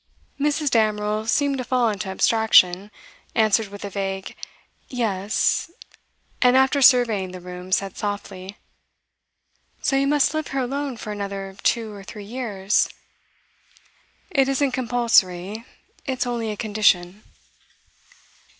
Mrs. Damerel seemed to fall into abstraction, answered with a vague 'Yes,' and after surveying the room, said softly: 'So you must live here alone for another two or three years?' 'It isn't compulsory: it's only a condition.